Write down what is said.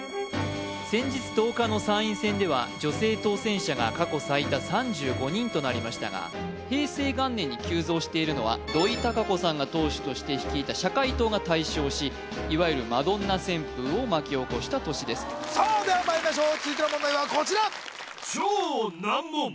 先日１０日の参院選では女性当選者が過去最多３５人となりましたが平成元年に急増しているのは土井たか子さんが党首として率いた社会党が大勝しいわゆるマドンナ旋風を巻き起こした年ですさあではまいりましょう続いての問題はこちら